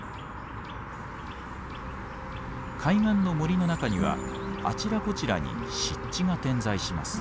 海岸の森の中にはあちらこちらに湿地が点在します。